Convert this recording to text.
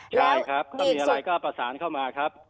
ใช่ครับถ้ามีอะไรก็ประสานเข้ามาครับ